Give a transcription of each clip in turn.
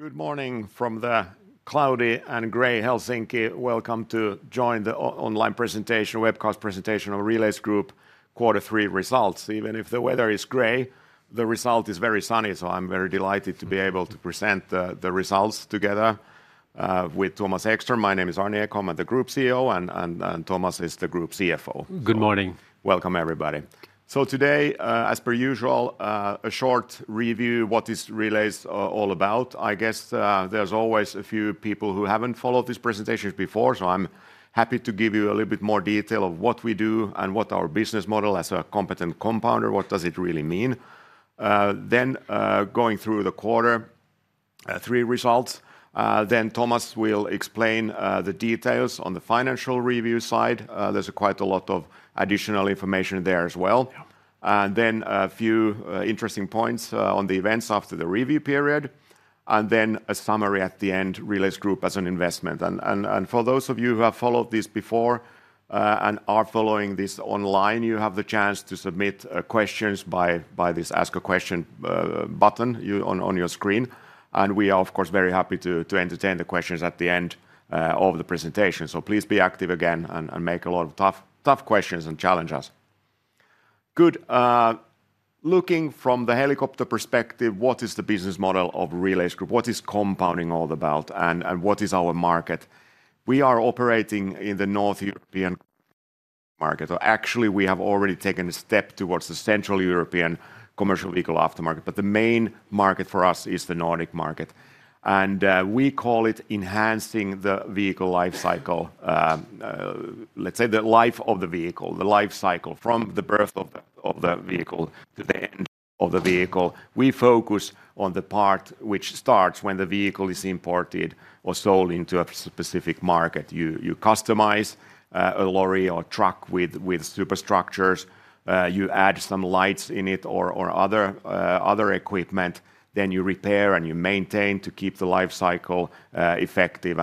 Good morning from the cloudy and gray Helsinki. Welcome to join the online presentation, webcast presentation of Relais Group Quarter Three results. Even if the weather is gray, the result is very sunny. I'm very delighted to be able to present the results together with Thomas Ekström. My name is Arni Ekholm, I'm the Group CEO, and Thomas is the Group CFO. Good morning. Welcome, everybody. Today, as per usual, a short review of what Relais is all about. I guess there's always a few people who haven't followed this presentation before, so I'm happy to give you a little bit more detail of what we do and what our business model is as a competent compounder, what does it really mean. Going through the quarter three results, Thomas will explain the details on the financial review side. There's quite a lot of additional information there as well. A few interesting points on the events after the review period. A summary at the end, Relais Group as an investment. For those of you who have followed this before and are following this online, you have the chance to submit questions by this Ask a Question button on your screen. We are, of course, very happy to entertain the questions at the end of the presentation. Please be active again and make a lot of tough questions and challenge us. Good. Looking from the helicopter perspective, what is the business model of Relais Group? What is compounding all about? What is our market? We are operating in the North European market. We have already taken a step towards the Central European commercial vehicle aftermarket, but the main market for us is the Nordic market. We call it enhancing the vehicle lifecycle, let's say the life of the vehicle, the lifecycle from the birth of the vehicle to the end of the vehicle. We focus on the part which starts when the vehicle is imported or sold into a specific market. You customize a lorry or truck with superstructures. You add some lights in it or other equipment. You repair and you maintain to keep the lifecycle effective.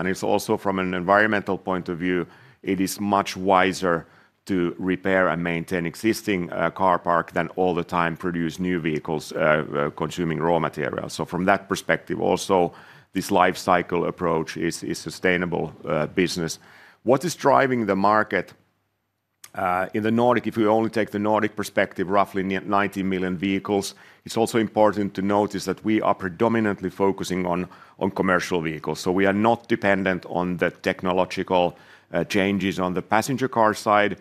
From an environmental point of view, it is much wiser to repair and maintain existing car park than all the time produce new vehicles consuming raw material. From that perspective, also this lifecycle approach is sustainable business. What is driving the market in the Nordic? If we only take the Nordic perspective, roughly 90 million vehicles. It's also important to notice that we are predominantly focusing on commercial vehicles. We are not dependent on the technological changes on the passenger car side.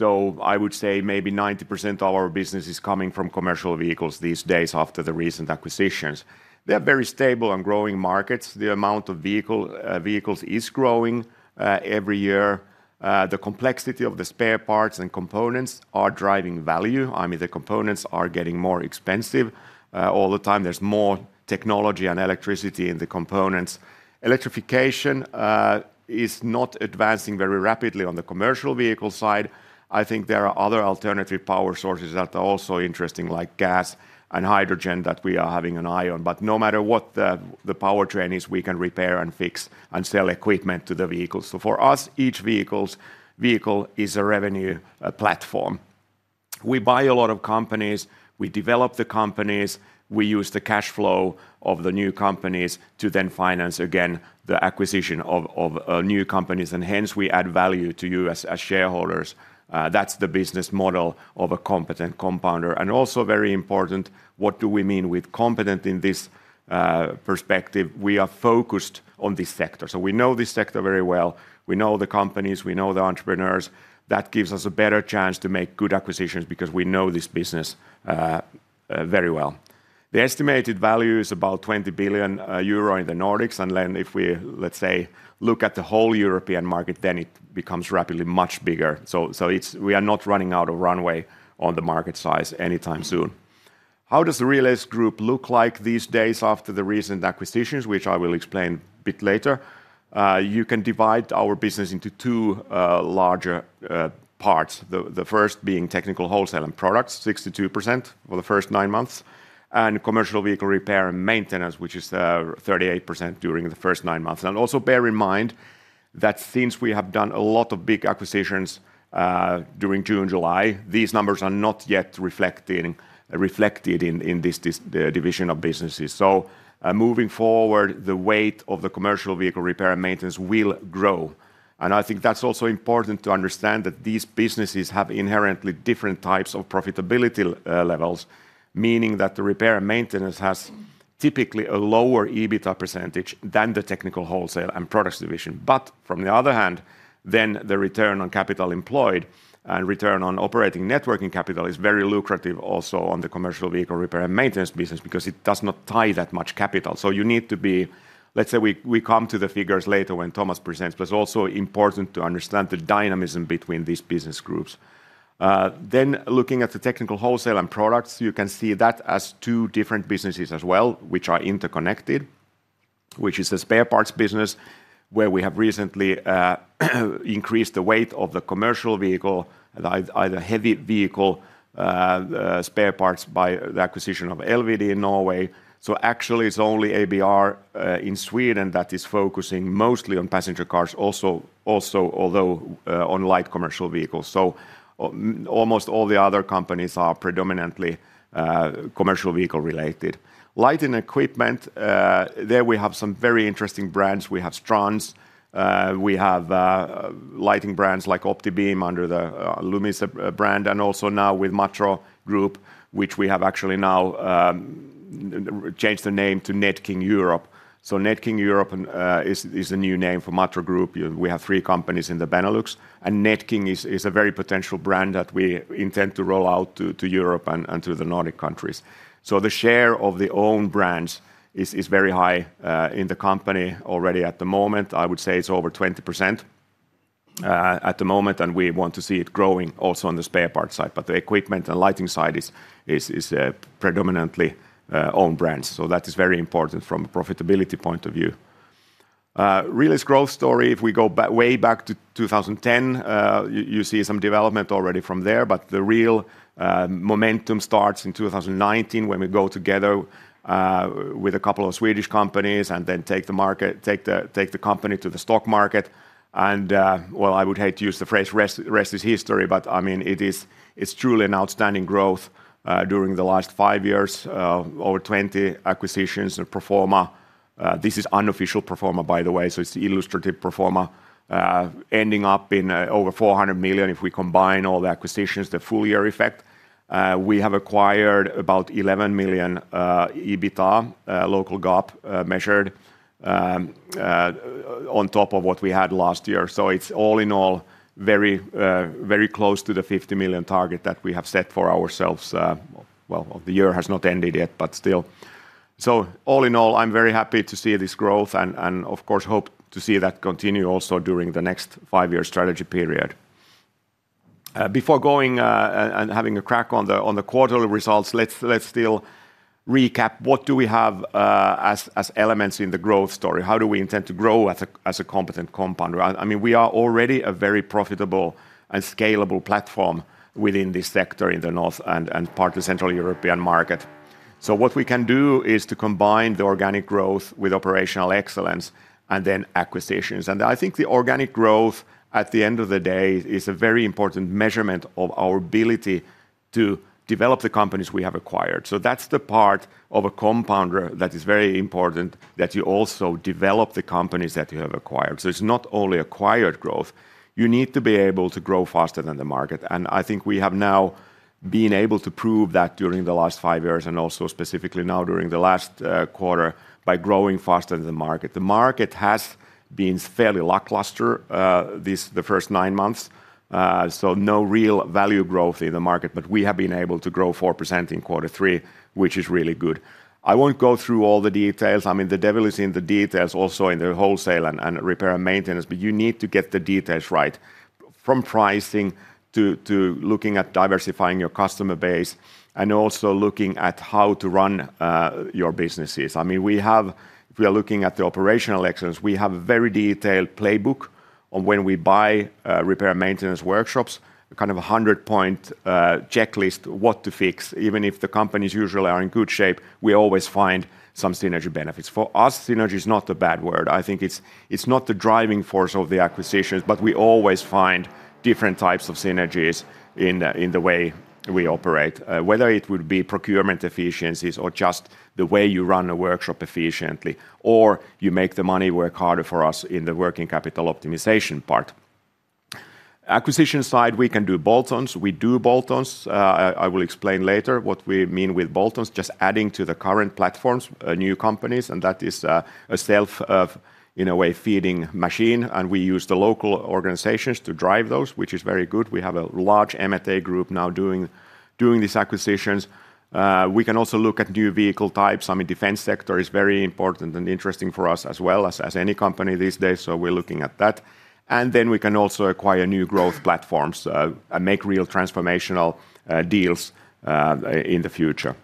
I would say maybe 90% of our business is coming from commercial vehicles these days after the recent acquisitions. They are very stable and growing markets. The amount of vehicles is growing every year. The complexity of the spare parts and components are driving value. I mean, the components are getting more expensive. All the time, there's more technology and electricity in the components. Electrification is not advancing very rapidly on the commercial vehicle side. I think there are other alternative power sources that are also interesting, like gas and hydrogen that we are having an eye on. No matter what the powertrain is, we can repair and fix and sell equipment to the vehicles. For us, each vehicle is a revenue platform. We buy a lot of companies, we develop the companies, we use the cash flow of the new companies to then finance again the acquisition of new companies. Hence, we add value to you as shareholders. That's the business model of a competent compounder. Also very important, what do we mean with competent in this perspective? We are focused on this sector. We know this sector very well. We know the companies, we know the entrepreneurs. That gives us a better chance to make good acquisitions because we know this business very well. The estimated value is about 20 billion euro in the Nordics. If we, let's say, look at the whole European market, then it becomes rapidly much bigger. We are not running out of runway on the market size anytime soon. How does Relais Group look like these days after the recent acquisitions, which I will explain a bit later? You can divide our business into two larger parts, the first being Technical Wholesale and Products, 62% for the first nine months, and commercial vehicle repair and maintenance, which is 38% during the first nine months. Also bear in mind that since we have done a lot of big acquisitions during June and July, these numbers are not yet reflected in this division of businesses. Moving forward, the weight of the commercial vehicle repair and maintenance will grow. I think that's also important to understand that these businesses have inherently different types of profitability levels, meaning that the repair and maintenance has typically a lower EBITDA percentage than the Technical Wholesale and Products division. From the other hand, the return on capital employed and return on operating networking capital is very lucrative also on the commercial vehicle repair and maintenance business because it does not tie that much capital. You need to be, let's say, we come to the figures later when Thomas presents. It's also important to understand the dynamism between these business groups. Looking at the Technical Wholesale and Products, you can see that as two different businesses as well, which are interconnected, which is the spare parts business where we have recently increased the weight of the commercial vehicle, the heavy vehicle spare parts by the acquisition of LVD in Norway. Actually, it's only ABR in Sweden that is focusing mostly on passenger cars, also although on light commercial vehicles. Almost all the other companies are predominantly commercial vehicle related. Lighting equipment, there we have some very interesting brands. We have Strands, we have lighting brands like Optibeam under the Lumise brand, and also now with Matro Group, which we have actually now changed the name to Nedking Europe. Nedking Europe is a new name for Matro Group. We have three companies in the Benelux, and Nedking is a very potential brand that we intend to roll out to Europe and to the Nordic countries. The share of the owned brands is very high in the company already at the moment. I would say it's over 20% at the moment, and we want to see it growing also on the spare parts side. The equipment and lighting side is predominantly owned brands. That is very important from a profitability point of view. Relais's growth story, if we go way back to 2010, you see some development already from there. The real momentum starts in 2019 when we go together with a couple of Swedish companies and then take the company to the stock market. I would hate to use the phrase rest is history, but I mean, it's truly an outstanding growth during the last five years, over 20 acquisitions and pro forma. This is unofficial pro forma, by the way, so it's the illustrative pro forma, ending up in over 400 million if we combine all the acquisitions, the full year effect. We have acquired about 11 million EBITDA, local GAAP measured, on top of what we had last year. It's all in all very close to the 50 million target that we have set for ourselves. The year has not ended yet, but still. All in all, I'm very happy to see this growth and of course hope to see that continue also during the next five year strategy period. Before going and having a crack on the quarterly results, let's still recap what do we have as elements in the growth story? How do we intend to grow as a competent compounder? I mean, we are already a very profitable and scalable platform within this sector in the North and part of the Central European market. What we can do is to combine the organic growth with operational excellence and then acquisitions. I think the organic growth at the end of the day is a very important measurement of our ability to develop the companies we have acquired. That's the part of a compounder that is very important, that you also develop the companies that you have acquired. It's not only acquired growth. You need to be able to grow faster than the market. I think we have now been able to prove that during the last five years and also specifically now during the last quarter by growing faster than the market. The market has been fairly lackluster these first nine months. No real value growth in the market, but we have been able to grow 4% in quarter three, which is really good. I won't go through all the details. The devil is in the details also in the wholesale and repair and maintenance, but you need to get the details right from pricing to looking at diversifying your customer base and also looking at how to run your businesses. If we are looking at the operational excellence, we have a very detailed playbook on when we buy repair and maintenance workshops, kind of a hundred point checklist of what to fix. Even if the companies usually are in good shape, we always find some synergy benefits. For us, synergy is not a bad word. I think it's not the driving force of the acquisitions, but we always find different types of synergies in the way we operate, whether it would be procurement efficiencies or just the way you run a workshop efficiently or you make the money work harder for us in the working capital optimization part. Acquisition side, we can do bolt-ons. We do bolt-ons. I will explain later what we mean with bolt-ons, just adding to the current platforms, new companies, and that is a self, in a way, feeding machine. We use the local organizations to drive those, which is very good. We have a large M&A group now doing these acquisitions. We can also look at new vehicle types. The defense sector is very important and interesting for us as well, as any company these days. We are looking at that. We can also acquire new growth platforms and make real transformational deals in the future.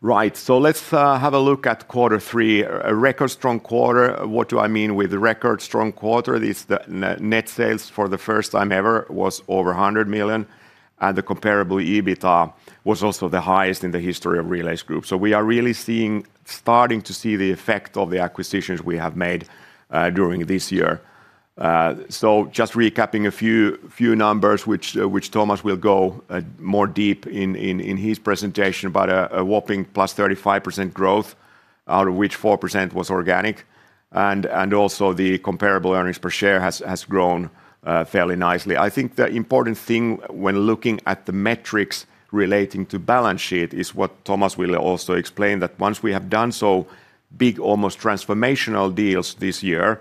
Right. Let's have a look at quarter three, a record strong quarter. What do I mean with record strong quarter? The net sales for the first time ever was over 100 million, and the comparable EBITDA was also the highest in the history of Relais Group. We are really starting to see the effect of the acquisitions we have made during this year. Just recapping a few numbers, which Thomas will go more deep in his presentation, a whopping +35% growth, out of which 4% was organic. Also, the comparable earnings per share has grown fairly nicely. I think the important thing when looking at the metrics relating to balance sheet is what Thomas will also explain, that once we have done so big, almost transformational deals this year,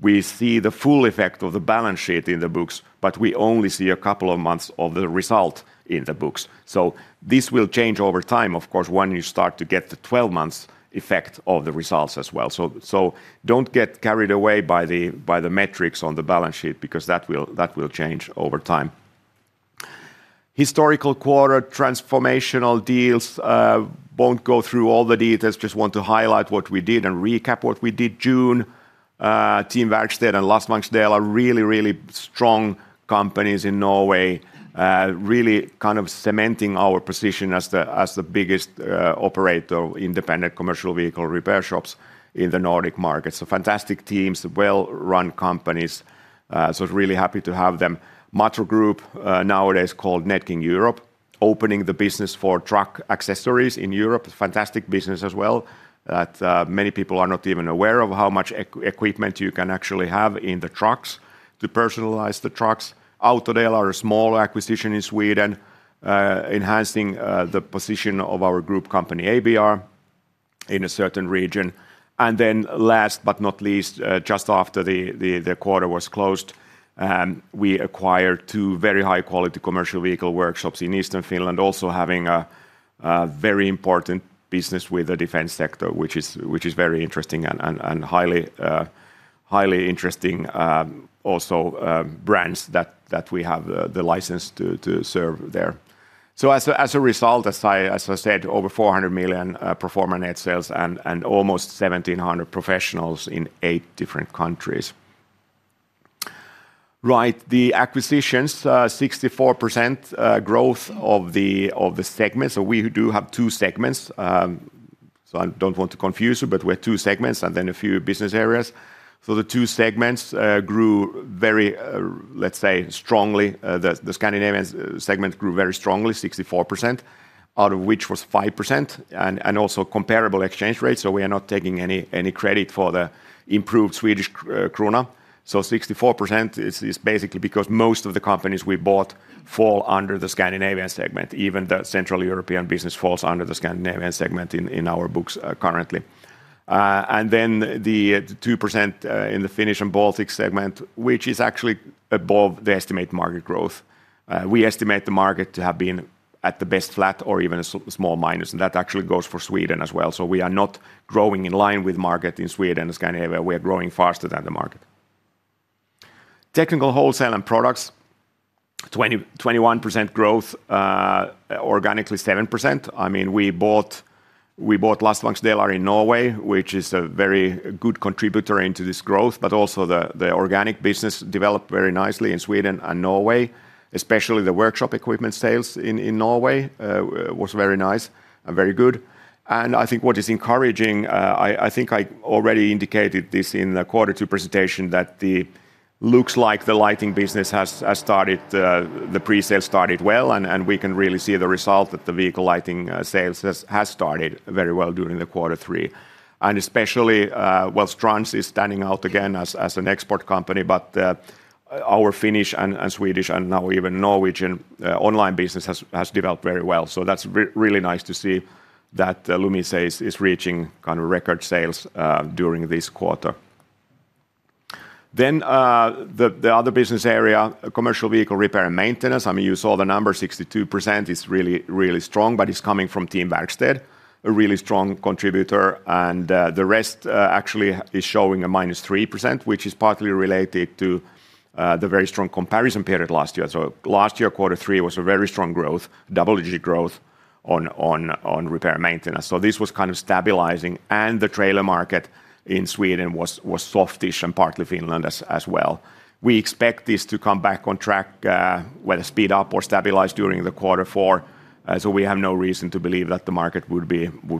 we see the full effect of the balance sheet in the books, but we only see a couple of months of the result in the books. This will change over time, of course, when you start to get the 12 months effect of the results as well. Do not get carried away by the metrics on the balance sheet because that will change over time. Historical quarter, transformational deals. I will not go through all the details, just want to highlight what we did and recap what we did. June, Team Verksted and Lastvagnsdelar are really, really strong companies in Norway, really kind of cementing our position as the biggest operator of independent commercial vehicle repair shops in the Nordic market. Fantastic teams, well-run companies. Really happy to have them. Matro Group, nowadays called Nedking Europe, opening the business for truck accessories in Europe. Fantastic business as well that many people are not even aware of how much equipment you can actually have in the trucks to personalize the trucks. Autodelar are a smaller acquisition in Sweden, enhancing the position of our group company, ABR, in a certain region. Last but not least, just after the quarter was closed, we acquired two very high-quality commercial vehicle workshops in Eastern Finland, also having a very important business with the defense sector, which is very interesting and highly interesting also brands that we have the license to serve there. As a result, as I said, over 400 million pro forma net sales and almost 1,700 professionals in eight different countries. The acquisitions, 64% growth of the segment. We do have two segments. I do not want to confuse you, but we have two segments and then a few business areas. The two segments grew very, let's say, strongly. The Scandinavian segment grew very strongly, 64%, out of which was 5% and also comparable exchange rates. We are not taking any credit for the improved Swedish krona. 64% is basically because most of the companies we bought fall under the Scandinavian segment. Even the Central European business falls under the Scandinavian segment in our books currently. The 2% in the Finnish and Baltic segment is actually above the estimated market growth. We estimate the market to have been at the best flat or even a small minus. That actually goes for Sweden as well. We are not growing in line with the market in Sweden and Scandinavia. We are growing faster than the market. Technical Wholesale and Products, 21% growth, organically 7%. We bought Lastvagnsdelar in Norway, which is a very good contributor into this growth, but also the organic business developed very nicely in Sweden and Norway, especially the workshop equipment sales in Norway were very nice and very good. What is encouraging, I think I already indicated this in the quarter two presentation, is that it looks like the lighting business has started, the pre-sale started well, and we can really see the result that the vehicle lighting sales have started very well during the quarter three. Especially, Strands is standing out again as an export company, but our Finnish and Swedish and now even Norwegian online business has developed very well. It's really nice to see that Lumise is reaching kind of record sales during this quarter. The other business area, commercial vehicle repair and maintenance, you saw the number, 62% is really, really strong, but it's coming from Team Verksted, a really strong contributor. The rest actually is showing a -3%, which is partly related to the very strong comparison period last year. Last year, quarter three was a very strong growth, double-digit growth on repair and maintenance. This was kind of stabilizing. The trailer market in Sweden was softish and partly Finland as well. We expect this to come back on track, whether speed up or stabilize during the quarter four. We have no reason to believe that the market would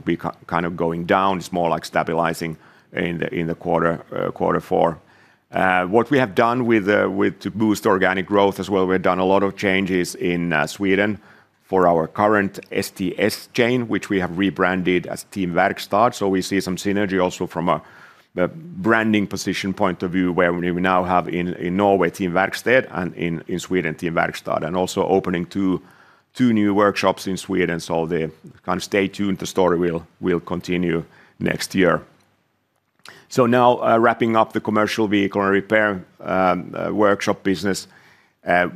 be kind of going down. It's more like stabilizing in the quarter four. What we have done to boost organic growth as well, we've done a lot of changes in Sweden for our current STS chain, which we have rebranded as Team Verksted. We see some synergy also from a branding position point of view where we now have in Norway Team Verksted and in Sweden Team Verksted. Also, opening two new workshops in Sweden. Kind of stay tuned, the story will continue next year. Now wrapping up the commercial vehicle and repair workshop business,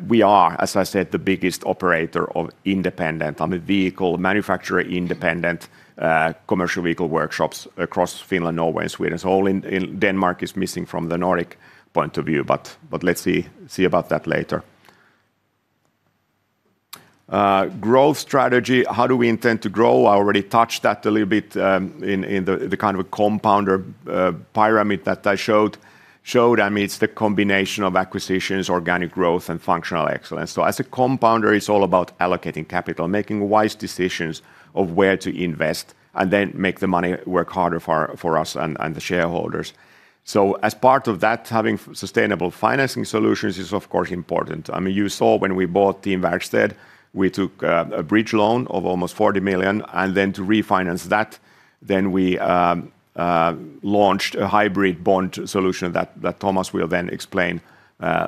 we are, as I said, the biggest operator of independent, I mean, vehicle manufacturer-independent commercial vehicle workshops across Finland, Norway, and Sweden. All in Denmark is missing from the Nordic point of view, but let's see about that later. Growth strategy, how do we intend to grow? I already touched that a little bit in the kind of a compounder pyramid that I showed. It's the combination of acquisitions, organic growth, and functional excellence. As a compounder, it's all about allocating capital, making wise decisions of where to invest, and then make the money work harder for us and the shareholders. As part of that, having sustainable financing solutions is, of course, important. You saw when we bought Team Verksted, we took a bridge loan of almost 40 million, and then to refinance that, we launched a hybrid bond solution that Thomas will then explain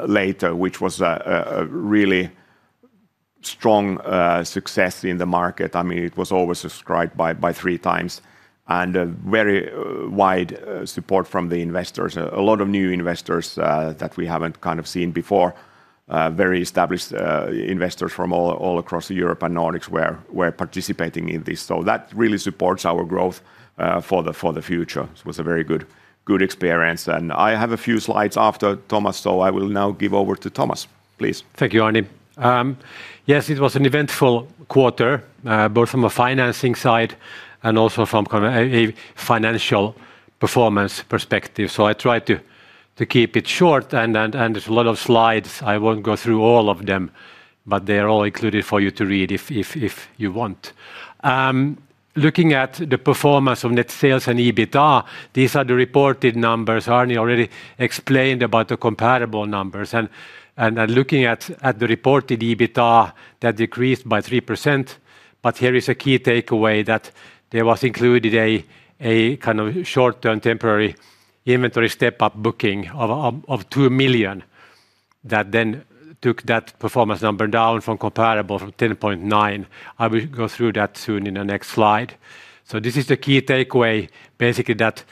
later, which was a really strong success in the market. It was oversubscribed by 3x and very wide support from the investors. A lot of new investors that we haven't seen before, very established investors from all across Europe and Nordics were participating in this. That really supports our growth for the future. It was a very good experience. I have a few slides after Thomas, so I will now give over to Thomas, please. Thank you, Arni. Yes, it was an eventful quarter, both from a financing side and also from a financial performance perspective. I tried to keep it short, and there's a lot of slides. I won't go through all of them, but they are all included for you to read if you want. Looking at the performance of net sales and EBITDA, these are the reported numbers. Arni already explained about the comparable numbers. Looking at the reported EBITDA, that decreased by 3%. Here is a key takeaway that there was included a kind of short-term temporary inventory step-up booking of 2 million that then took that performance number down from comparable from 10.9 million. I will go through that soon in the next slide. This is the key takeaway, basically that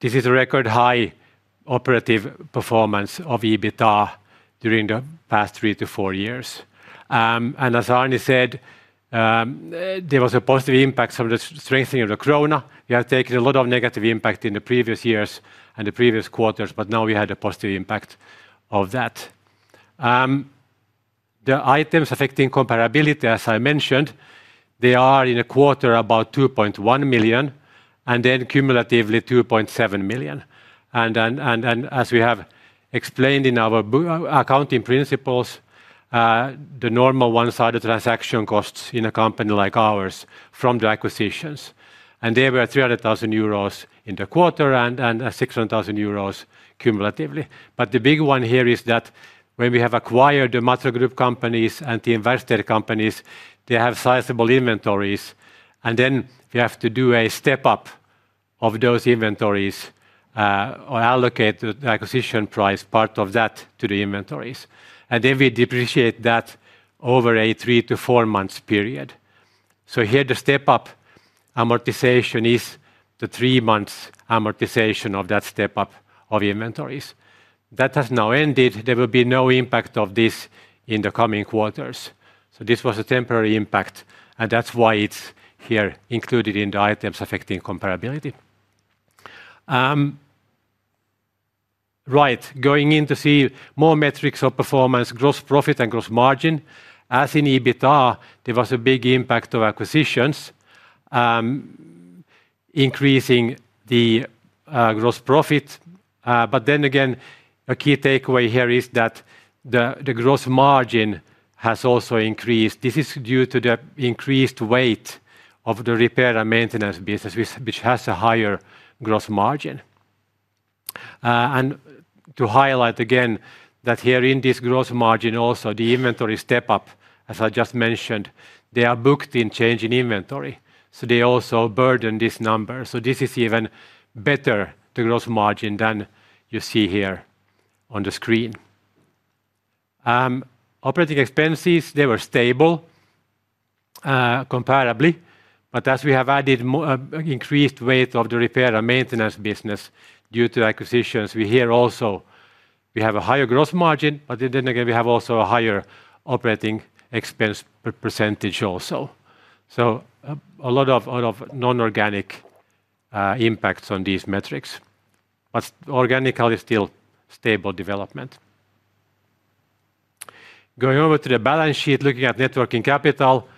this is a record high operative performance of EBITDA during the past three to four years. As Arni said, there was a positive impact from the strengthening of the krona. We have taken a lot of negative impact in the previous years and the previous quarters, but now we had a positive impact of that. The items affecting comparability, as I mentioned, they are in a quarter about 2.1 million and then cumulatively 2.7 million. As we have explained in our accounting principles, the normal ones are the transaction costs in a company like ours from the acquisitions. There were 300,000 euros in the quarter and 600,000 euros cumulatively. The big one here is that when we have acquired the Matro Group companies and Team Verksted Holding companies, they have sizable inventories. We have to do a step-up of those inventories or allocate the acquisition price part of that to the inventories. We depreciate that over a three to four months period. Here the step-up amortization is the three months amortization of that step-up of inventories. That has now ended. There will be no impact of this in the coming quarters. This was a temporary impact. That's why it's here included in the items affecting comparability. Right. Going in to see more metrics of performance, gross profit and gross margin. As in EBITDA, there was a big impact of acquisitions increasing the gross profit. Again, a key takeaway here is that the gross margin has also increased. This is due to the increased weight of the repair and maintenance business, which has a higher gross margin. To highlight again that here in this gross margin also, the inventory step-up, as I just mentioned, they are booked in change in inventory. They also burden this number. This is even better to gross margin than you see here on the screen. Operating expenses were stable comparably. As we have added increased weight of the repair and maintenance business due to acquisitions, we have a higher gross margin, but then again we have also a higher operating expense percentage also. A lot of non-organic impacts on these metrics. Organically, still stable development. Going over to the balance sheet, looking at networking capital,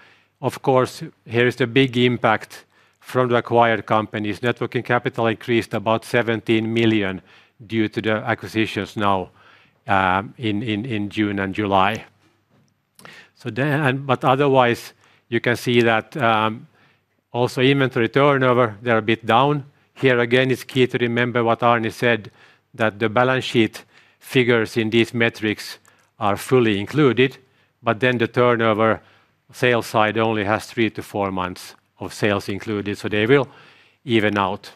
here is the big impact from the acquired companies. Networking capital increased about 17 million due to the acquisitions now in June and July. Otherwise, you can see that also inventory turnover is a bit down. Here again, it's key to remember what Arni said, that the balance sheet figures in these metrics are fully included, but the turnover sales side only has three to four months of sales included. They will even out.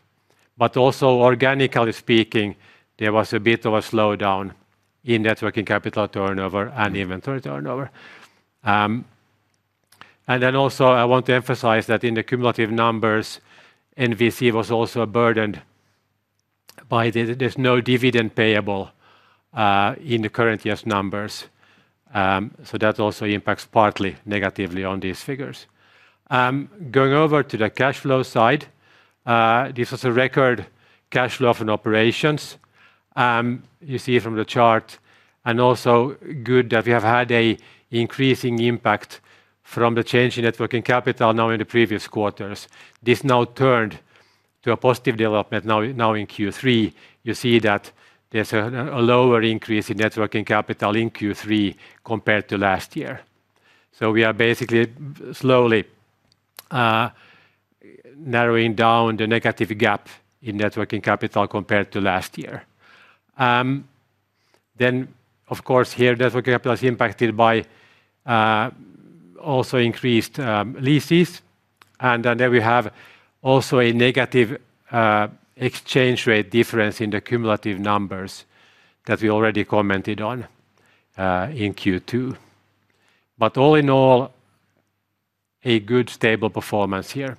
Organically speaking, there was a bit of a slowdown in networking capital turnover and inventory turnover. I want to emphasize that in the cumulative numbers, [HVC] was also burdened by there's no dividend payable in the current year's numbers. That also impacts partly negatively on these figures. Going over to the cash flow side, this was a record cash flow from operations, you see from the chart. Also good that we have had an increasing impact from the change in networking capital now in the previous quarters. This now turned to a positive development now in Q3. You see that there's a lower increase in networking capital in Q3 compared to last year. We are basically slowly narrowing down the negative gap in networking capital compared to last year. Here networking capital is impacted by also increased leases. We have also a negative exchange rate difference in the cumulative numbers that we already commented on in Q2. All in all, a good stable performance here.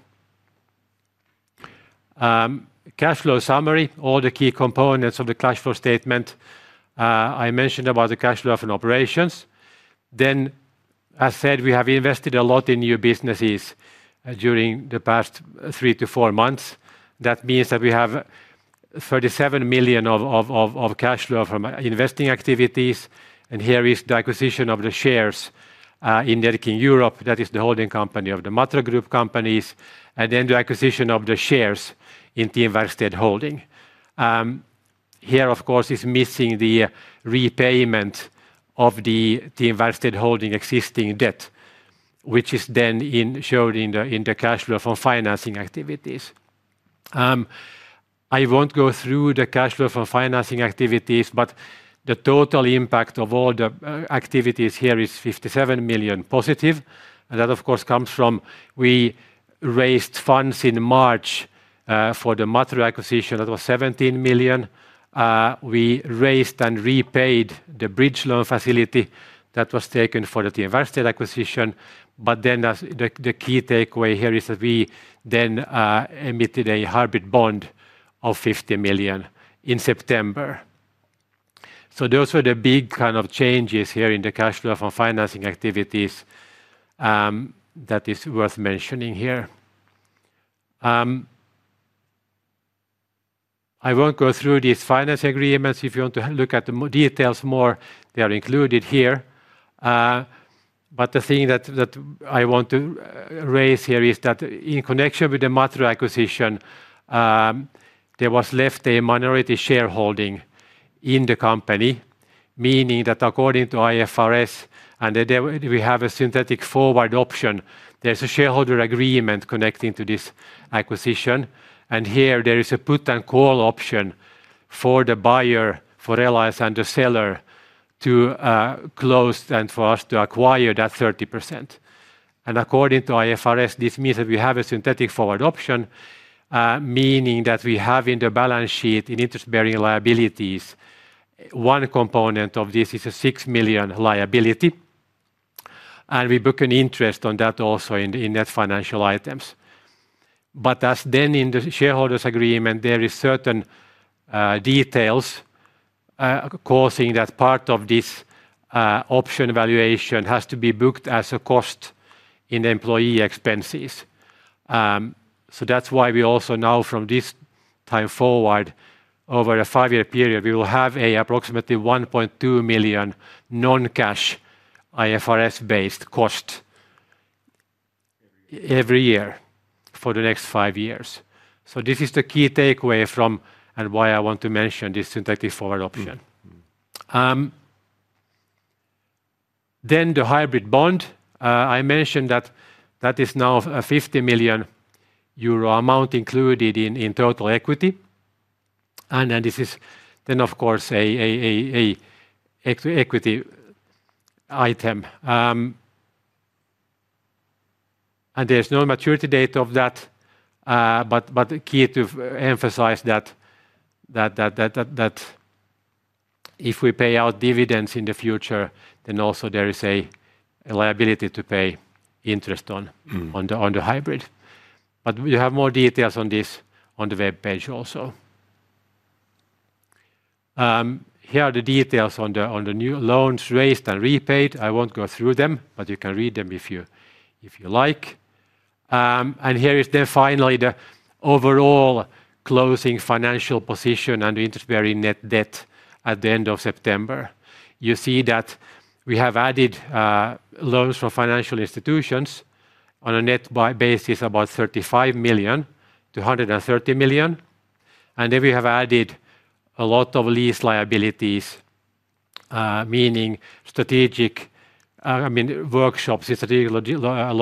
Cash flow summary, all the key components of the cash flow statement I mentioned about the cash flow from operations. As I said, we have invested a lot in new businesses during the past three to four months. That means that we have 37 million of cash flow from investing activities. Here is the acquisition of the shares in Nedking Europe. That is the holding company of the Matro Group companies. Then the acquisition of the shares in Team Verksted Holding. Here, of course, is missing the repayment of the Team Verksted Holding existing debt, which is then shown in the cash flow from financing activities. I won't go through the cash flow from financing activities, but the total impact of all the activities here is 57 million positive. That, of course, comes from we raised funds in March for the Matro acquisition. That was 17 million. We raised and repaid the bridge loan facility that was taken for the Team Verksted acquisition. The key takeaway here is that we then emitted a hybrid bond of 50 million in September. Those are the big kind of changes here in the cash flow from financing activities that is worth mentioning here. I won't go through these finance agreements. If you want to look at the details more, they are included here. The thing that I want to raise here is that in connection with the Matro acquisition, there was left a minority shareholding in the company, meaning that according to IFRS, and we have a synthetic forward option, there's a shareholder agreement connecting to this acquisition. Here there is a put and call option for the buyer, for Relais and the seller to close and for us to acquire that 30%. According to IFRS, this means that we have a synthetic forward option, meaning that we have in the balance sheet in interest-bearing liabilities. One component of this is a 6 million liability. We book an interest on that also in net financial items. As then in the shareholders' agreement, there are certain details causing that part of this option valuation has to be booked as a cost in the employee expenses. That's why we also now, from this time forward, over a five-year period, we will have an approximately 1.2 million non-cash IFRS-based cost every year for the next five years. This is the key takeaway from and why I want to mention this synthetic forward option. The hybrid bond, I mentioned that that is now a 50 million euro amount included in total equity. This is then, of course, an equity item. There's no maturity date of that, but key to emphasize that if we pay out dividends in the future, then also there is a liability to pay interest on the hybrid. You have more details on this on the web page also. Here are the details on the new loans raised and repaid. I won't go through them, but you can read them if you like. Here is then finally the overall closing financial position and interest-bearing net debt at the end of September. You see that we have added loans from financial institutions on a net basis, about 35 million-130 million. We have added a lot of lease liabilities, meaning workshops in strategic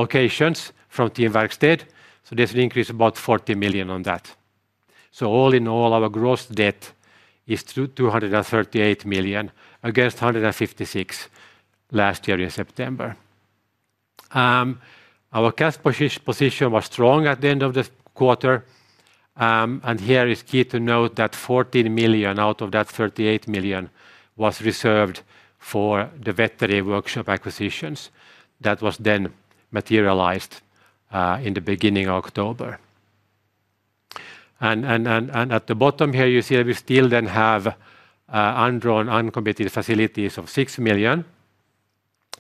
locations from Team Verksted Holding. There is an increase of about 40 million on that. All in all, our gross debt is 238 million against 156 million last year in September. Our cash position was strong at the end of the quarter. It is key to note that 14 million out of that 38 million was reserved for the Wetteri workshop acquisitions that was then materialized in the beginning of October. At the bottom here, you see that we still have undrawn uncommitted facilities of 6 million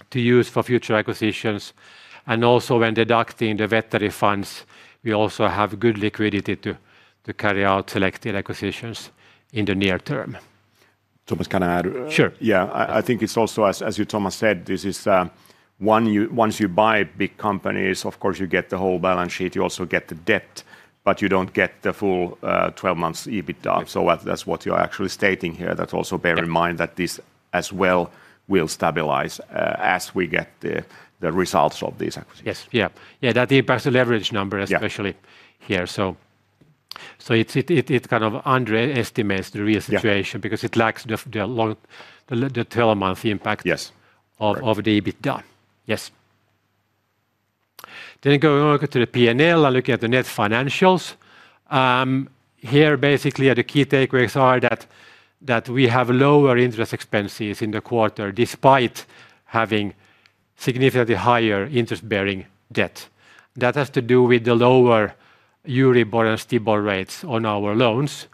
to use for future acquisitions. Also, when deducting the Wetteri funds, we have good liquidity to carry out selected acquisitions in the near term. Thomas, can I add? Sure. Yeah, I think it's also, as you, Thomas, said, this is once you buy big companies, of course you get the whole balance sheet, you also get the debt, but you don't get the full 12 months EBITDA. That's what you're actually stating here. Also, bear in mind that this as well will stabilize as we get the results of these acquisitions. Yes, yeah. Yeah, that impacts the leverage number especially here. It kind of underestimates the real situation because it lacks the 12-month impact of the EBITDA. Going over to the P&L and looking at the net financials, the key takeaways are that we have lower interest expenses in the quarter despite having significantly higher interest-bearing debt. That has to do with the lower EURIBOR and STIBOR rates on our loans.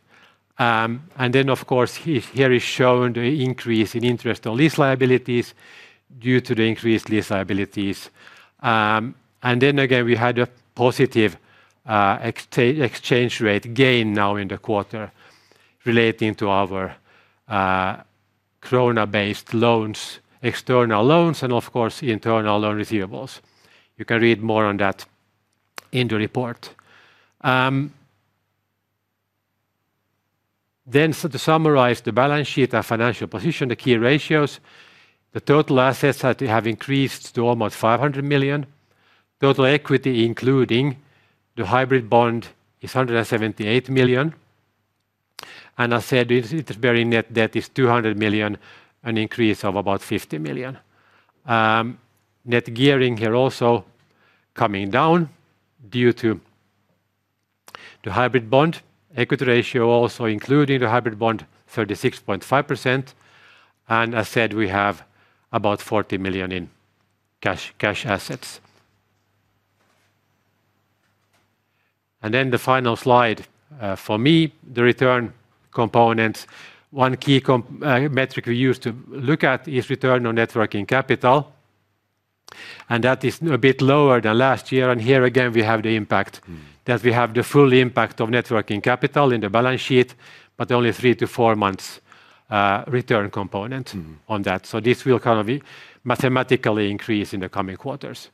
Of course, here is shown the increase in interest on lease liabilities due to the increased lease liabilities. We had a positive exchange rate gain now in the quarter relating to our krona-based loans, external loans, and internal loan receivables. You can read more on that in the report. To summarize the balance sheet and financial position, the key ratios, the total assets have increased to almost 500 million. Total equity including the hybrid bond is 178 million. As I said, the interest-bearing net debt is 200 million, an increase of about 50 million. Net gearing here also coming down due to the hybrid bond. Equity ratio also including the hybrid bond is 36.5%. As I said, we have about 40 million in cash assets. The final slide for me, the return components. One key metric we use to look at is return on net working capital, and that is a bit lower than last year. Here again, we have the impact that we have the full impact of net working capital in the balance sheet, but only three to four months return component on that. This will mathematically increase in the coming quarters.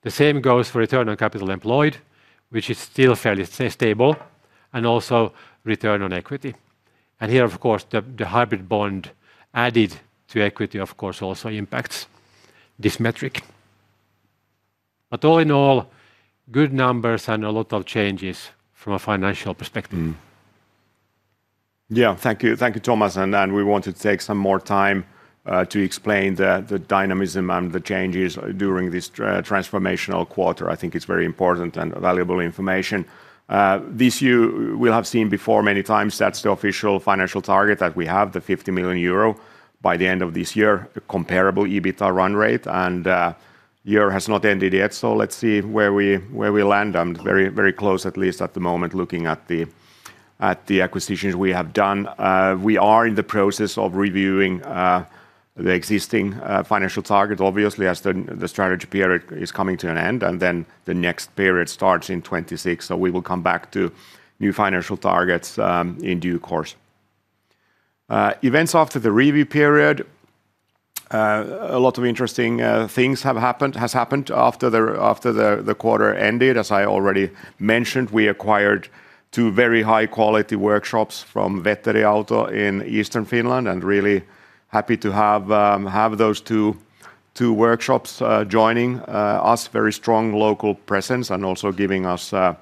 The same goes for return on capital employed, which is still fairly stable, and also return on equity. Here, the hybrid bond added to equity also impacts this metric. All in all, good numbers and a lot of changes from a financial perspective. Thank you. Thank you, Thomas. We wanted to take some more time to explain the dynamism and the changes during this transformational quarter. I think it's very important and valuable information. This year, we've seen before many times that's the official financial target that we have, the 50 million euro by the end of this year, a comparable EBITDA run rate. The year has not ended yet, so let's see where we land. I'm very, very close at least at the moment looking at the acquisitions we have done. We are in the process of reviewing the existing financial targets, obviously, as the strategy period is coming to an end. The next period starts in 2026. We will come back to new financial targets in due course. Events after the review period, a lot of interesting things have happened after the quarter ended. As I already mentioned, we acquired two very high-quality workshops from Wetteri Auto in Eastern Finland. I'm really happy to have those two workshops joining us, very strong local presence, and also giving us a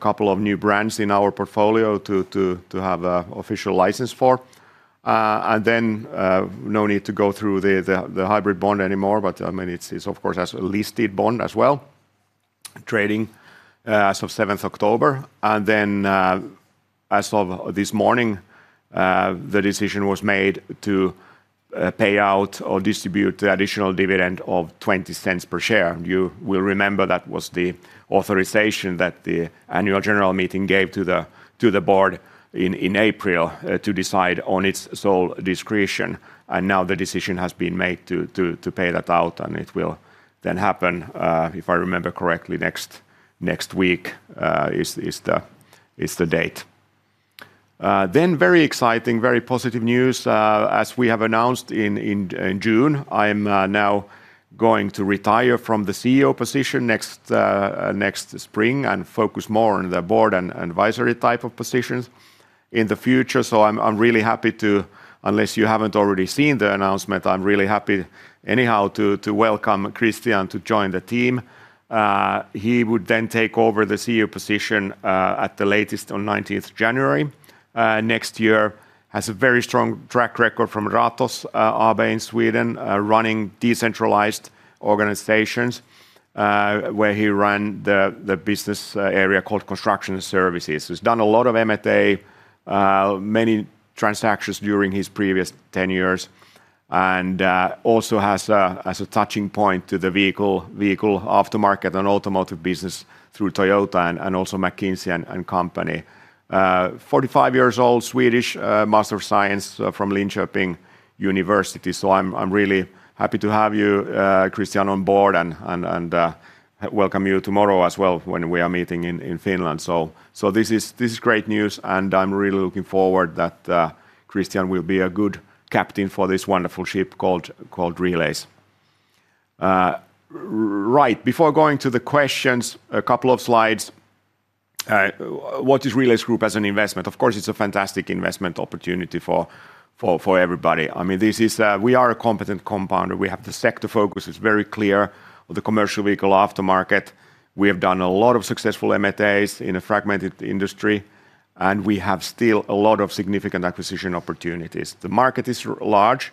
couple of new brands in our portfolio to have an official license for. There is no need to go through the hybrid bond anymore, but it's of course a listed bond as well, trading as of 7th October. As of this morning, the decision was made to pay out or distribute the additional dividend of 0.20 per share. You will remember that was the authorization that the Annual General Meeting gave to the board in April to decide on its sole discretion. Now the decision has been made to pay that out, and it will then happen, if I remember correctly, next week is the date. Very exciting, very positive news. As we have announced in June, I'm now going to retire from the CEO position next spring and focus more on the board and advisory type of positions in the future. I'm really happy to, unless you haven't already seen the announcement, I'm really happy anyhow to welcome Christian to join the team. He would then take over the CEO position at the latest on 19th January next year. He has a very strong track record from Ratos AB in Sweden, running decentralized organizations where he ran the business area called Construction & Services. He's done a lot of M&A, many transactions during his previous 10 years, and also has a touching point to the vehicle aftermarket and automotive business through Toyota and also McKinsey & Company. 45 years old, Swedish Master of Science from Linköping University. I'm really happy to have you, Christian, on board and welcome you tomorrow as well when we are meeting in Finland. This is great news, and I'm really looking forward that Christian will be a good captain for this wonderful ship called Relais. Right, before going to the questions, a couple of slides. What is Relais Group as an investment? Of course, it's a fantastic investment opportunity for everybody. I mean, we are a competent compounder. We have the sector focus. It's very clear of the commercial vehicle aftermarket. We have done a lot of successful M&As in a fragmented industry, and we have still a lot of significant acquisition opportunities. The market is large.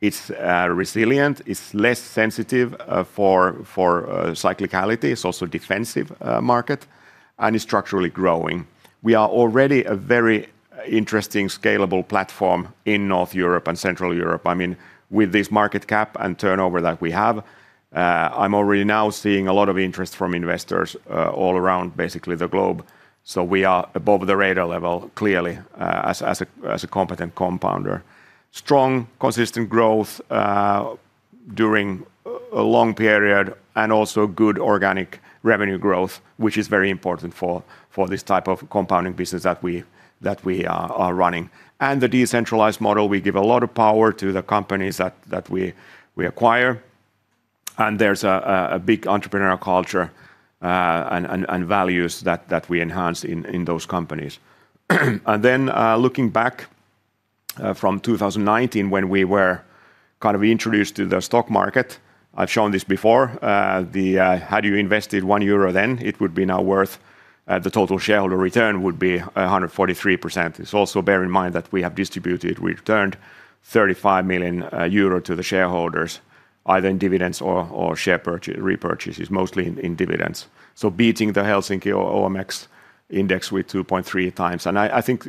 It's resilient. It's less sensitive for cyclicality. It's also a defensive market and is structurally growing. We are already a very interesting scalable platform in North Europe and Central Europe. I mean, with this market cap and turnover that we have, I'm already now seeing a lot of interest from investors all around basically the globe. We are above the radar level clearly as a competent compounder. Strong, consistent growth during a long period and also good organic revenue growth, which is very important for this type of compounding business that we are running. The decentralized model, we give a lot of power to the companies that we acquire. There's a big entrepreneurial culture and values that we enhance in those companies. Looking back from 2019 when we were kind of introduced to the stock market, I've shown this before, had you invested one euro then, it would be now worth the total shareholder return would be 143%. Also bear in mind that we have distributed, we returned 35 million euro to the shareholders, either in dividends or share repurchases, mostly in dividends. Beating the Helsinki OMX index with 2.3x. I think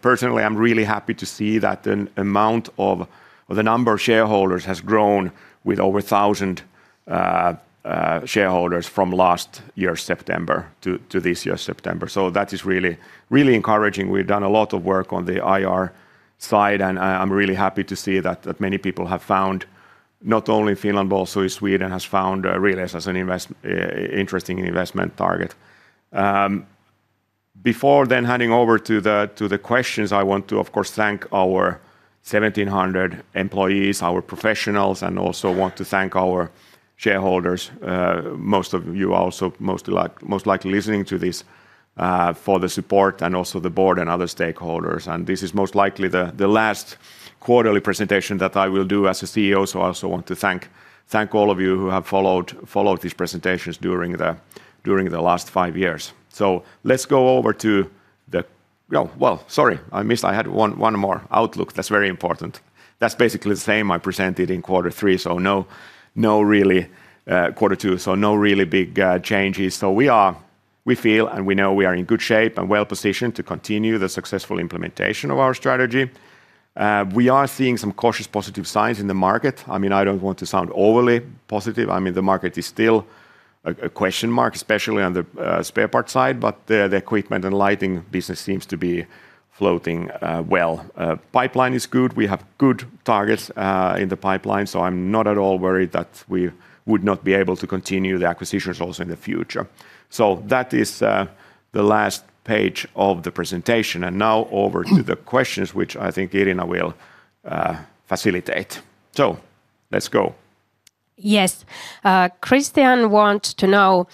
personally, I'm really happy to see that the amount of the number of shareholders has grown with over 1,000 shareholders from last year's September to this year's September. That is really, really encouraging. We've done a lot of work on the IR side, and I'm really happy to see that many people have found, not only in Finland, but also in Sweden, have found Relais as an interesting investment target. Before then handing over to the questions, I want to, of course, thank our 1,700 employees, our professionals, and also want to thank our shareholders, most of you are also most likely listening to this, for the support and also the board and other stakeholders. This is most likely the last quarterly presentation that I will do as CEO. I also want to thank all of you who have followed these presentations during the last five years. I missed, I had one more outlook. That's very important. That's basically the same I presented in quarter three. No really big changes. We feel, and we know we are in good shape and well positioned to continue the successful implementation of our strategy. We are seeing some cautious positive signs in the market. I don't want to sound overly positive. The market is still a question mark, especially on the spare parts side, but the equipment and lighting business seems to be floating well. Pipeline is good. We have good targets in the pipeline. I'm not at all worried that we would not be able to continue the acquisitions also in the future. That is the last page of the presentation. Now over to the questions, which I think Irina will facilitate. Let's go. Yes, Christian wants to know,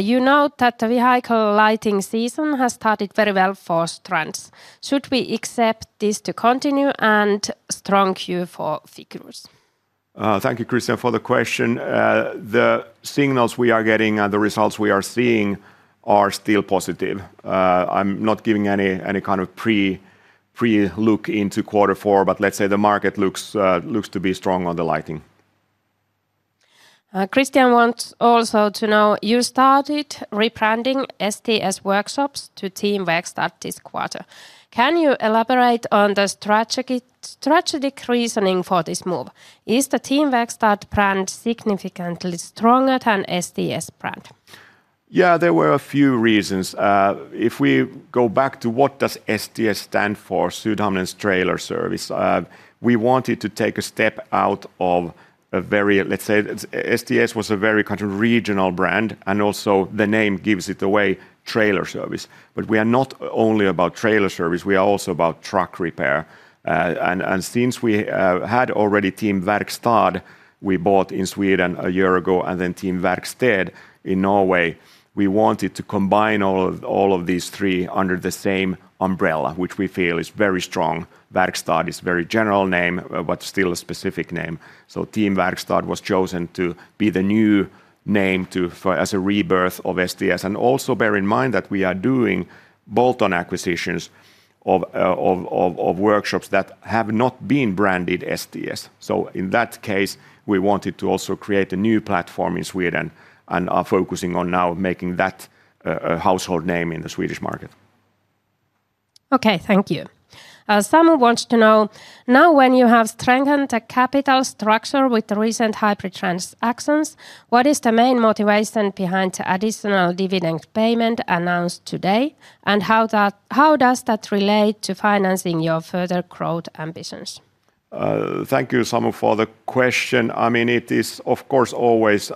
you know that the vehicle lighting season has started very well for Strands. Should we expect this to continue and strong Q4 figures? Thank you, Christian, for the question. The signals we are getting and the results we are seeing are still positive. I'm not giving any kind of pre-look into quarter four, but let's say the market looks to be strong on the lighting. Christian wants also to know, you started rebranding STS workshops to Team Verksted this quarter. Can you elaborate on the strategic reasoning for this move? Is the Team Verksted brand significantly stronger than STS brand? Yeah, there were a few reasons. If we go back to what does STS stand for, Sydhamnen's Trailer Service, we wanted to take a step out of a very, let's say, STS was a very kind of regional brand, and also the name gives it away, Trailer Service. We are not only about trailer service, we are also about truck repair. Since we had already Team Verkstad, we bought in Sweden a year ago, and then Team Verksted in Norway, we wanted to combine all of these three under the same umbrella, which we feel is very strong. Team Verkstad is a very general name, but still a specific name. Team Verkstad was chosen to be the new name as a rebirth of STS. Also bear in mind that we are doing bolt-on acquisitions of workshops that have not been branded STS. In that case, we wanted to also create a new platform in Sweden and are focusing on now making that a household name in the Swedish market. Okay, thank you. Samu wants to know, now when you have strengthened the capital structure with the recent hybrid transactions, what is the main motivation behind the additional dividend payment announced today? How does that relate to financing your further growth ambitions? Thank you, Samu, for the question. It is of course always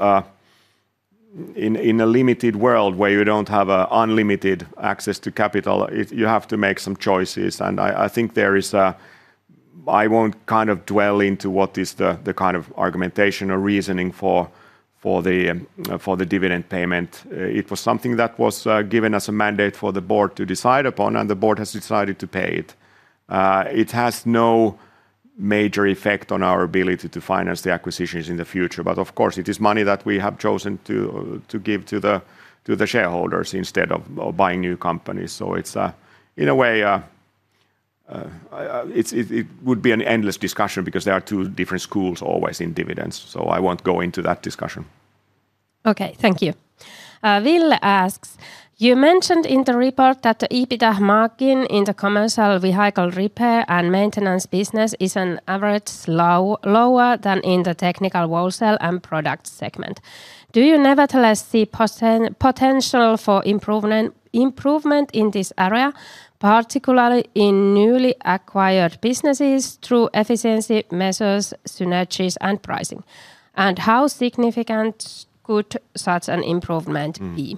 in a limited world where you don't have unlimited access to capital, you have to make some choices. I think there is, I won't kind of dwell into what is the kind of argumentation or reasoning for the dividend payment. It was something that was given as a mandate for the board to decide upon, and the board has decided to pay it. It has no major effect on our ability to finance the acquisitions in the future. Of course, it is money that we have chosen to give to the shareholders instead of buying new companies. It would be an endless discussion because there are two different schools always in dividends. I won't go into that discussion. Okay, thank you. Will asks, you mentioned in the report that the EBITDA margin in the commercial vehicle repair and maintenance business is on average lower than in the Technical Wholesale and Product segment. Do you nevertheless see potential for improvement in this area, particularly in newly acquired businesses through efficiency measures, synergies, and pricing? How significant could such an improvement be?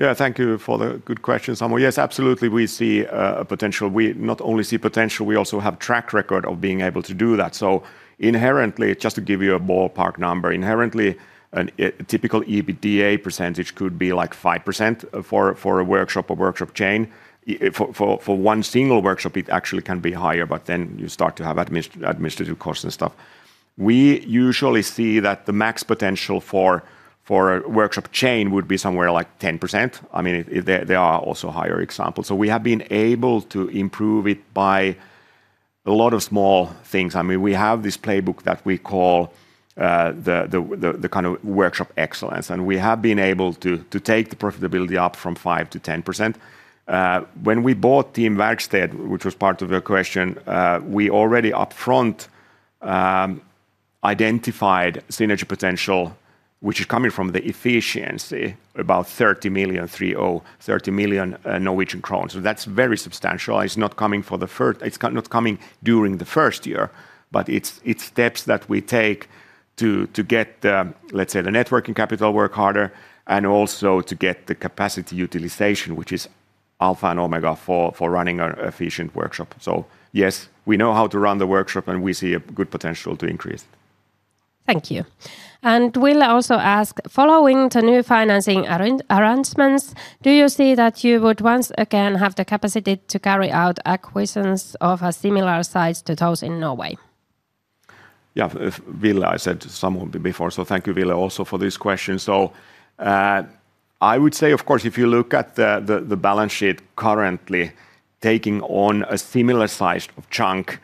Yeah, thank you for the good question, Samu. Yes, absolutely, we see a potential. We not only see potential, we also have a track record of being able to do that. Inherently, just to give you a ballpark number, inherently a typical EBITDA percentage could be like 5% for a workshop or workshop chain. For one single workshop, it actually can be higher, but then you start to have administrative costs and stuff. We usually see that the max potential for a workshop chain would be somewhere like 10%. I mean, there are also higher examples. We have been able to improve it by a lot of small things. We have this playbook that we call the kind of workshop excellence. We have been able to take the profitability up from 5%-10%. When we bought Team Verksted, which was part of your question, we already upfront identified synergy potential, which is coming from the efficiency, about 30 million. That's very substantial. It's not coming during the first year, but it's steps that we take to get the, let's say, the networking capital work harder and also to get the capacity utilization, which is alpha and omega for running an efficient workshop. Yes, we know how to run the workshop and we see a good potential to increase it. Thank you. Will also asks, following the new financing arrangements, do you see that you would once again have the capacity to carry out acquisitions of a similar size to those in Norway? Thank you, Will, also for this question. I would say, of course, if you look at the balance sheet, currently taking on a similar size of chunk,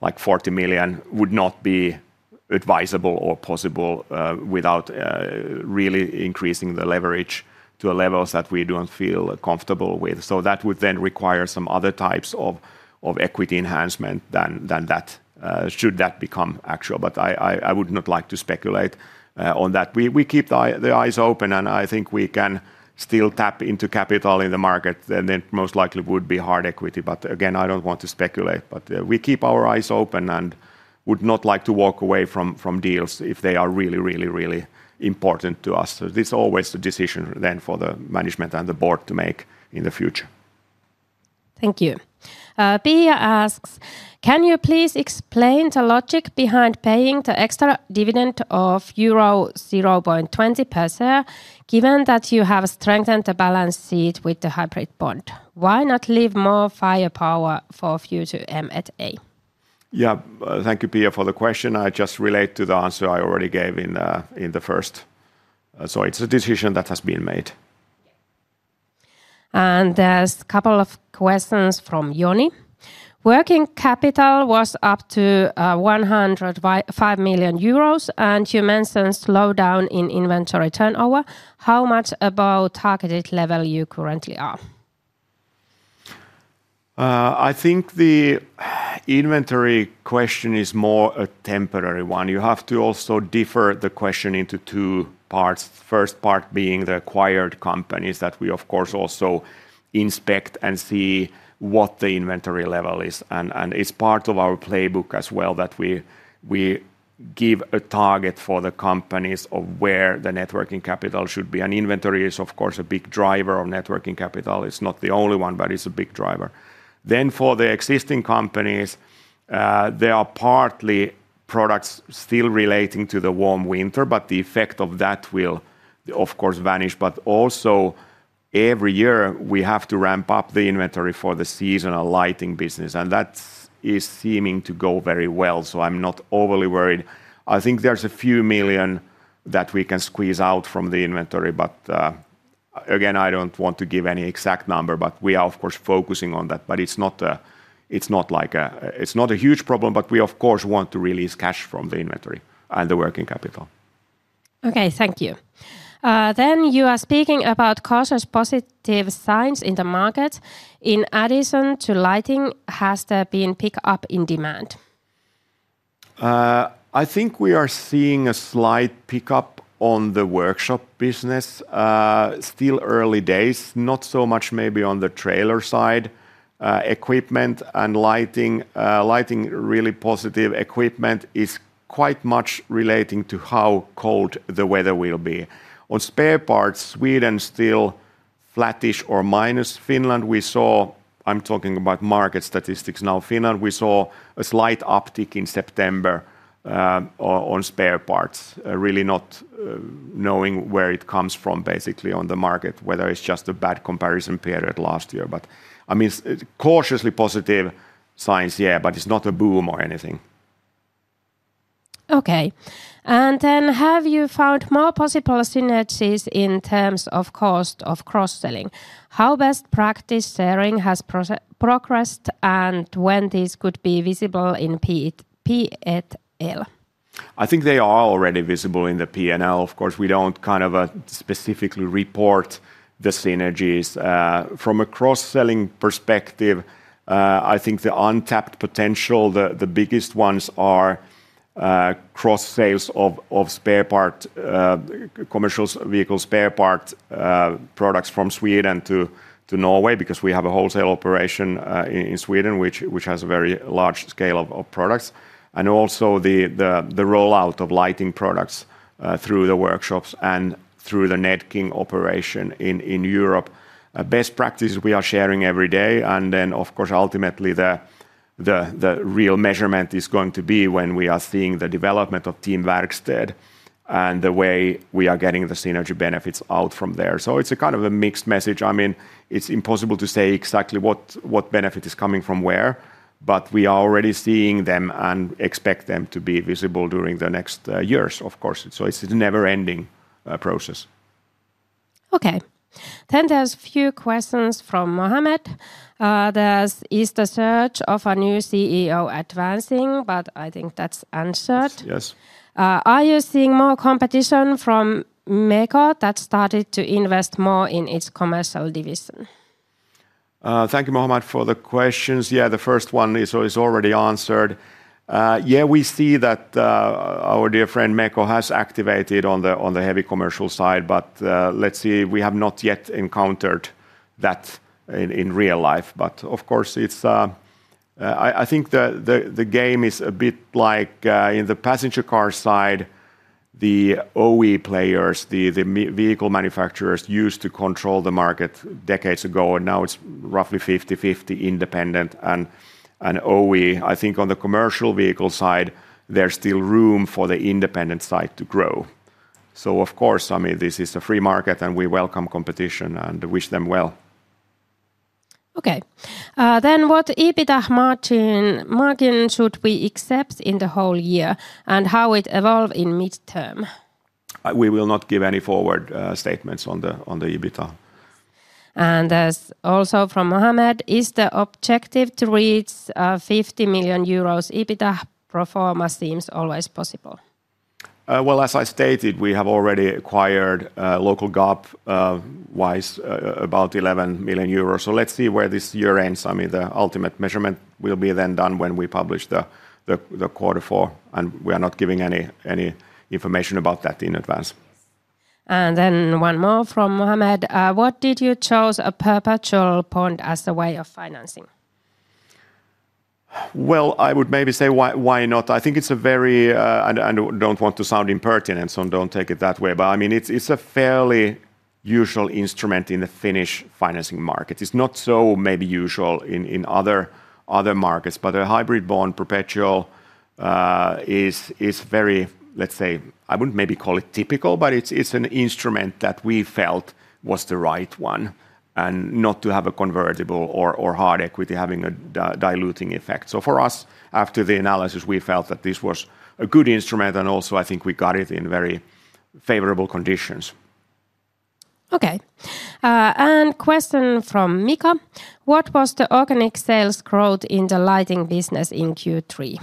like 40 million, would not be advisable or possible without really increasing the leverage to levels that we don't feel comfortable with. That would then require some other types of equity enhancement should that become actual. I would not like to speculate on that. We keep the eyes open and I think we can still tap into capital in the market and most likely it would be hard equity. Again, I don't want to speculate, but we keep our eyes open and would not like to walk away from deals if they are really, really, really important to us. This is always the decision for the management and the board to make in the future. Thank you. Pia asks, can you please explain the logic behind paying the extra dividend of euro 0.20 per share, given that you have strengthened the balance sheet with the hybrid bond? Why not leave more firepower for future M&A? Thank you, Pia, for the question. I just relate to the answer I already gave in the first. It's a decision that has been made. There are a couple of questions from Joni. Working capital was up to 105 million euros and you mentioned slowdown in inventory turnover. How much above targeted level you currently are? I think the inventory question is more a temporary one. You have to also differ the question into two parts. The first part being the acquired companies that we, of course, also inspect and see what the inventory level is. It's part of our playbook as well that we give a target for the companies of where the net working capital should be, and inventory is, of course, a big driver of net working capital. It's not the only one, but it's a big driver. For the existing companies, there are partly products still relating to the warm winter, but the effect of that will, of course, vanish. Every year we have to ramp up the inventory for the seasonal lighting business, and that is seeming to go very well. I'm not overly worried. I think there's a few million that we can squeeze out from the inventory. I don't want to give any exact number, but we are, of course, focusing on that. It's not a huge problem, but we, of course, want to release cash from the inventory and the working capital. Okay, thank you. You are speaking about cautious positive signs in the market. In addition to lighting, has there been pickup in demand? I think we are seeing a slight pickup on the workshop business. Still early days, not so much maybe on the trailer side. Equipment and lighting, lighting really positive, equipment is quite much relating to how cold the weather will be. On spare parts, Sweden still flattish or minus. Finland, we saw, I'm talking about market statistics now, Finland, we saw a slight uptick in September on spare parts, really not knowing where it comes from basically on the market, whether it's just a bad comparison period last year. I mean, cautiously positive signs, yeah, but it's not a boom or anything. Okay. Have you found more possible synergies in terms of cost or cross-selling? How has best practice sharing progressed, and when could these be visible in P&L? I think they are already visible in the P&L. Of course, we don't specifically report the synergies. From a cross-selling perspective, I think the untapped potential, the biggest ones are cross-sales of commercial vehicle spare part products from Sweden to Norway because we have a wholesale operation in Sweden, which has a very large scale of products. Also, the rollout of lighting products through the workshops and through the Nedking Europe operation in Europe. Best practices we are sharing every day. Ultimately, the real measurement is going to be when we are seeing the development of Team Verksted and the way we are getting the synergy benefits out from there. It's a kind of a mixed message. I mean, it's impossible to say exactly what benefit is coming from where, but we are already seeing them and expect them to be visible during the next years, of course. It's a never-ending process. Okay. There are a few questions from Mohammed. There is the search of a new CEO advancing, but I think that's answered. Yes. Are you seeing more competition from MEKO that started to invest more in its commercial division? Thank you, Mohammed, for the questions. The first one is already answered. We see that our dear friend MEKO has activated on the heavy commercial side, but let's see, we have not yet encountered that in real life. Of course, I think the game is a bit like in the passenger car side. The OE players, the vehicle manufacturers, used to control the market decades ago, and now it's roughly 50/50 independent and OE. I think on the commercial vehicle side, there's still room for the independent side to grow. This is a free market and we welcome competition and wish them well. What EBITDA margin should we accept in the whole year, and how does it evolve in the midterm? We will not give any forward statements on the EBITDA. Is the objective to reach 50 million euros EBITDA performance seems always possible? As I stated, we have already acquired local GAAP-wise about 11 million euros. Let's see where this year ends. I mean, the ultimate measurement will be done when we publish the quarter four, and we are not giving any information about that in advance. One more from Mohammed. Why did you choose a perpetual bond as the way of financing? I would maybe say why not? I think it's a very, and I don't want to sound impertinent, so don't take it that way, but I mean, it's a fairly usual instrument in the Finnish financing market. It's not so maybe usual in other markets, but a hybrid bond perpetual is very, let's say, I wouldn't maybe call it typical, but it's an instrument that we felt was the right one and not to have a convertible or hard equity having a diluting effect. For us, after the analysis, we felt that this was a good instrument and also I think we got it in very favorable conditions. Okay. Question from Mika. What was the organic sales growth in the lighting business in Q3?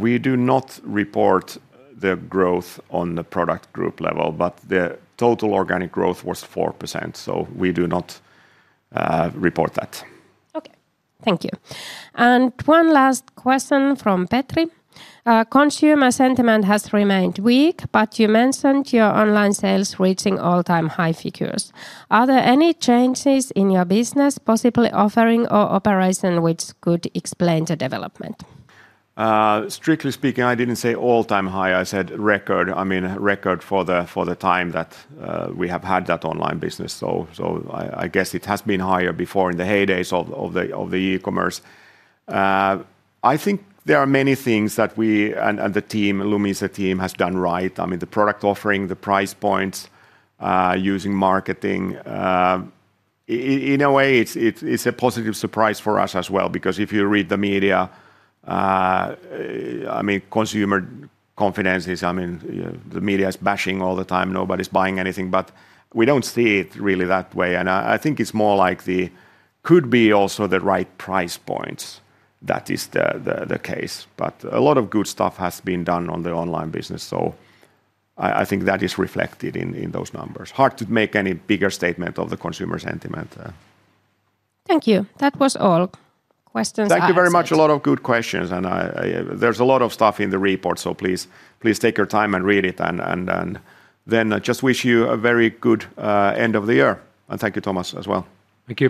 We do not report the growth on the product group level, but the total organic growth was 4%. We do not report that. Okay. Thank you. One last question from Petri. Consumer sentiment has remained weak, but you mentioned your online sales reaching all-time high figures. Are there any changes in your business, possibly offering or operation, which could explain the development? Strictly speaking, I didn't say all-time high. I said record. I mean, record for the time that we have had that online business. I guess it has been higher before in the heydays of the e-commerce. I think there are many things that we and the team, Lumise team, have done right. I mean, the product offering, the price points, using marketing. In a way, it's a positive surprise for us as well because if you read the media, consumer confidence is, the media is bashing all the time. Nobody's buying anything, but we don't see it really that way. I think it could be also the right price points that is the case. A lot of good stuff has been done on the online business. I think that is reflected in those numbers. Hard to make any bigger statement of the consumer sentiment. Thank you. That was all. Questions? Thank you very much. A lot of good questions. There's a lot of stuff in the report. Please take your time and read it. I just wish you a very good end of the year. Thank you, Thomas, as well. Thank you.